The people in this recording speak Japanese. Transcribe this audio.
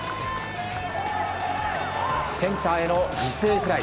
センターへの犠牲フライ。